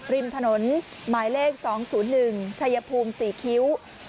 ริมถนนหมายเลขสองศูนย์หนึ่งชัยภูมิสี่คิ้ว